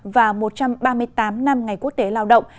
và một trăm ba mươi tám năm ngày quốc tế lao động